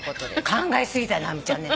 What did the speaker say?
考え過ぎた直美ちゃんね。